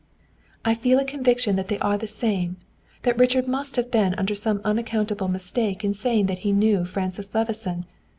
"I feel a conviction that they are the same that Richard must have been under some unaccountable mistake in saying that he knew Francis Levison.